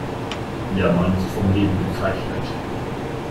Der Mann ist vom Leben gezeichnet.